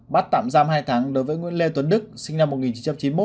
bắt tạm giam hai tháng đối với nguyễn lê tuấn đức sinh năm một nghìn chín trăm chín mươi một